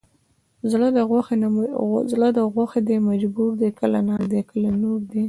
زړه د غوښې دی مجبور دی کله نار دی کله نور دی